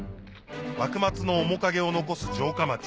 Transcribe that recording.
幕末の面影を残す城下町